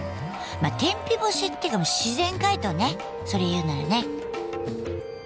天日干しっていうか自然解凍ねそれ言うならね。